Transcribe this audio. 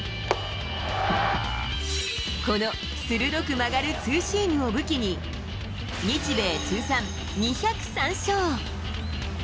この鋭く曲がるツーシームを武器に、日米通算２０３勝。